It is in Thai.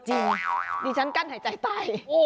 จริงดิฉันกั้นหายใจตาย